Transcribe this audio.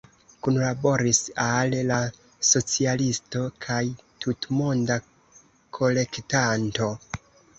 Kunlaboris al „La Socialisto“ kaj „Tutmonda Kolektanto“.